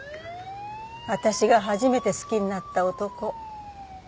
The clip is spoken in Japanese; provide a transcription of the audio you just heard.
私が初めて好きになった男。